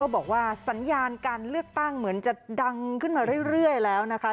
บอกว่าสัญญาการเลือกตั้งเหมือนจะดังขึ้นมาเรื่อยแล้วนะคะ